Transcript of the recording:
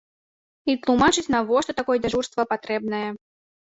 І тлумачыць, навошта такое дзяжурства патрэбнае.